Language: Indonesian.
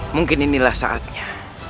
mungkin inilah saatnya